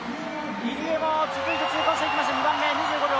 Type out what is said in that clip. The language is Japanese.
入江も続いて通過をしていきました。